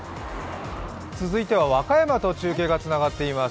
続いては和歌山と中継がつながっています。